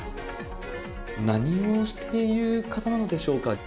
何をしている方なのでしょうか？